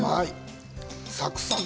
サクサク。